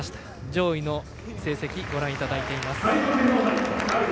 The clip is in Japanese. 上位の成績ご覧いただいています。